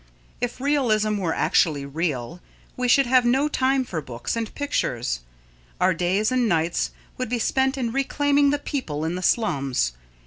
If realism were actually real, we should have no time for books and pictures. Our days and nights would be spent in reclaiming the people in the slums.